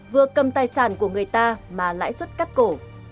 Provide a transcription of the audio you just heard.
vừa cầm tài sản của người ta mà lãi suất cắt cổ